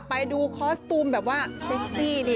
ไปดูคอสตูมแบบว่าเซ็กซี่ดิ